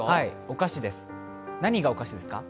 お菓子ですか？